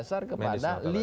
jadi se passar six